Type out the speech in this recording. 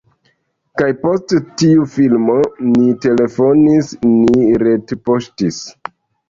kaj post tiu filmo ni telefonis, ni retpoŝtis